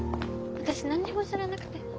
私何にも知らなくて。